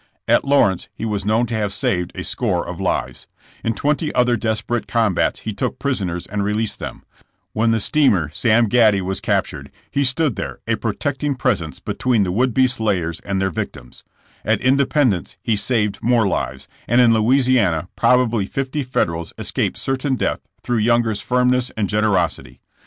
At Lawrence he was known to have saved a score of lives; in twenty other desperate combats he took prisoners and released them; when the steamer Sam Gaty was captured, he stood there a protecting pres ence between the would be slayers and their victims^, at Independence he saved more lives ; and in Louisiana probably fifty Federals escaped certain death through Younger 's firmness and generosity.